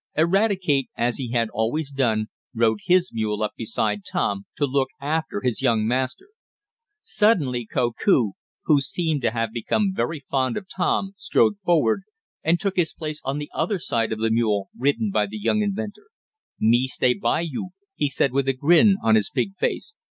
Eradicate, as he had always done, rode his mule up beside Tom, to look after his young master. Suddenly Koku, who seemed to have become very fond of Tom, strode forward and took his place on the other side of the mule ridden by the young inventor. "Me stay by you," he said with a grin on his big face.